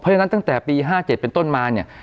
เพราะฉะนั้นตั้งแต่ปี๕๗เป็นต้นมาเนี่ย